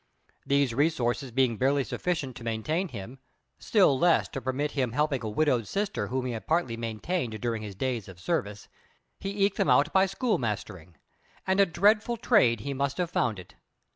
These resources being barely sufficient to maintain him, still less to permit his helping a widowed sister whom he had partly maintained during his days of service, he eked them out by school mastering; and a dreadful trade he must have found it.